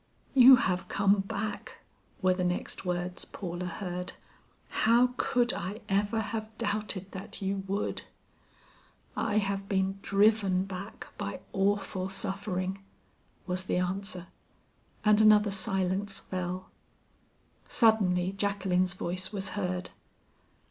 "You have come back!" were the next words Paula heard. "How could I ever have doubted that you would!" "I have been driven back by awful suffering," was the answer; and another silence fell. Suddenly Jacqueline's voice was heard.